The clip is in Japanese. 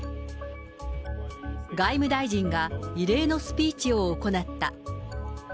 外務大臣が異例のスピーチを行った。